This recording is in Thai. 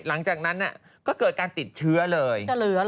หลังจากนั้นก็เกิดการติดเชื้อเลย